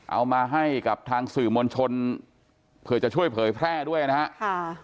เอามาให้กับทางสื่อมวลชนเผื่อจะช่วยเผยแพร่ด้วยนะฮะค่ะ